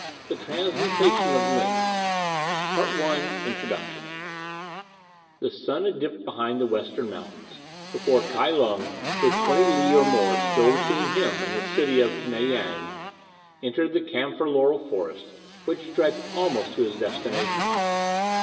THE TRANSMUTATION OF LING CHAPTER I INTRODUCTION The sun had dipped behind the western mountains before Kai Lung, with twenty li or more still between him and the city of Knei Yang, entered the camphor laurel forest which stretched almost to his destination.